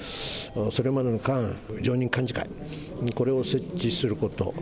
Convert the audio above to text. それまでの間、常任幹事会、これを設置すること。